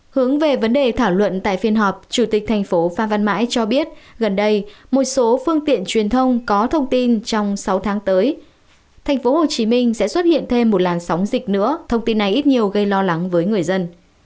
hướng về vấn đề thảo luận tại phiên họp chủ tịch thành phố phan văn mãi cho biết gần đây một số phương tiện truyền thông có thông tin trong sáu tháng tới tp hcm sẽ xuất hiện thêm một làn sóng dịch nữa thông tin này ít nhiều gây lo lắng với người dân